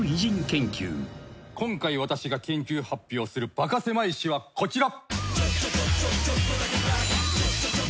今回私が研究発表するバカせまい史はこちら。